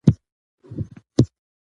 ادبي پروګرامونه باید په پراخه کچه جوړ شي.